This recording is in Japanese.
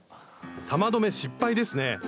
玉留め失敗ですね。